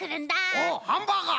おっハンバーガー！